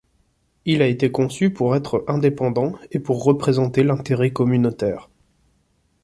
Il a été conçu pour être indépendant et pour représenter l'intérêt communautaire.